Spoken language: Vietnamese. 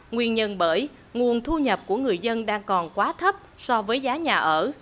nguyên nhân bởi nguồn thu nhập của người dân đang còn quá thấp so với giá nhà ở